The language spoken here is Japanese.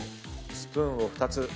スプーンを２つ。